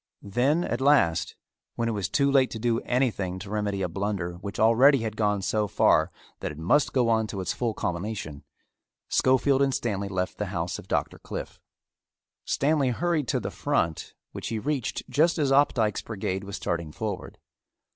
Then at last, when it was too late to do anything to remedy a blunder which already had gone so far that it must go on to its full culmination, Schofield and Stanley left the house of Doctor Cliffe. Stanley hurried to the front which he reached just as Opdycke's brigade was starting forward.